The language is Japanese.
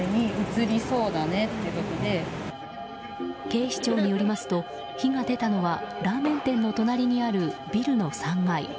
警視庁によりますと火が出たのはラーメン店の隣にあるビルの３階。